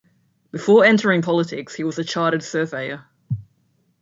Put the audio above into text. Before entering politics, he was a Chartered Surveyor.